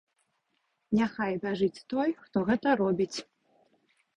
Няхай бяжыць той, хто гэта робіць.